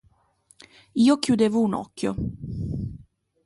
Io chiudevo un occhio.